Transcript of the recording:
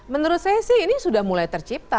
menurut saya sih ini sudah mulai tercipta